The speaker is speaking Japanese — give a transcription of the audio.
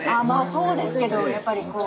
そうですけどやっぱりこう。